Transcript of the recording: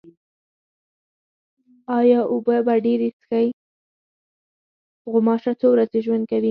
غوماشه څو ورځې ژوند کوي.